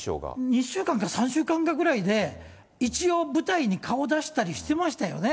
２週間か３週間かぐらいで、一応舞台に顔出したりしてましたよね。